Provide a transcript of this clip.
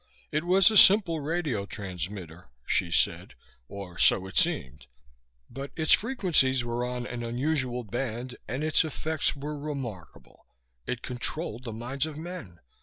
It was a simple radio transmitter (Hsi said) or so it seemed, but its frequencies were on an unusual band and its effects were remarkable. It controlled the minds of men.